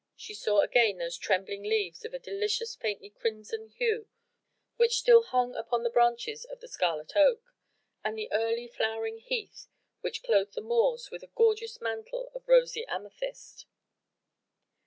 She saw again those trembling leaves of a delicious faintly crimson hue which still hung upon the branches of the scarlet oak, and the early flowering heath which clothed the moors with a gorgeous mantle of rosy amethyst.